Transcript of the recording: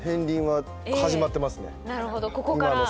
なるほどここから。